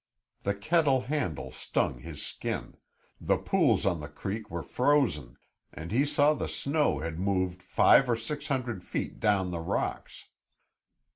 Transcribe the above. The kettle handle stung his skin, the pools on the creek were frozen, and he saw the snow had moved five or six hundred feet down the rocks.